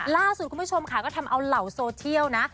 ล่าสุดคุณผู้ชมค่ะก็ทำเอาเหล่าโซเชียลนะ